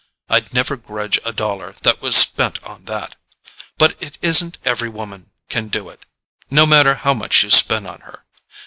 I'd never grudge a dollar that was spent on that. But it isn't every woman can do it, no matter how much you spend on her.